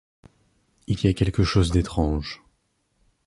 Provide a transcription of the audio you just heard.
Il a quelque chose d’étrange.